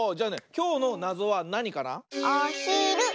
きょうのなぞはなにかな？